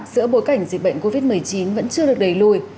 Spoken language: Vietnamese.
giữa bối cảnh dịch bệnh covid một mươi chín vẫn chưa được đẩy lùi